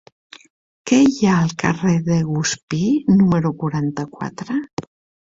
Què hi ha al carrer de Guspí número quaranta-quatre?